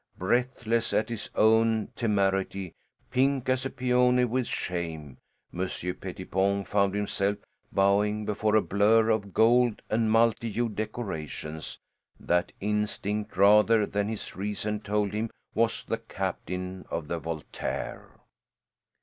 Breathless at his own temerity, pink as a peony with shame, Monsieur Pettipon found himself bowing before a blur of gold and multi hued decorations that instinct rather than his reason told him was the captain of the Voltaire.